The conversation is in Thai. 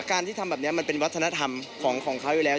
การที่ทำแบบนี้มันเป็นวัฒนธรรมของเขาอยู่แล้ว